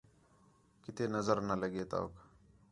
کِتے نظر نہ لڳے توک